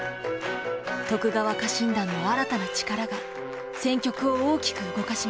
徳川家臣団の新たな力が戦局を大きく動かします。